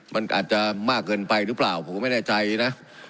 มันอาจจะมากเกินไปหรือเปล่าผมก็ไม่แน่ใจนะ